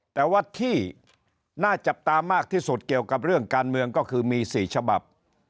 แต่ว่าที่น่าจับตามากที่สุดเกี่ยวกับเรื่องการเมืองก็คือมี๔ฉบับ